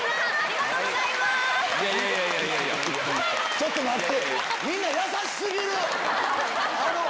ちょっと待って！